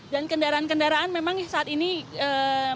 dan kendaraan kendaraan memang saat ini ya